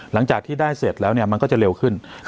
หลังจากที่ได้เสร็จแล้วมันก็จะเร็วขึ้น